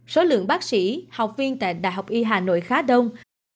số lượng bác sĩ học viên tại đại học y hà nội khá đông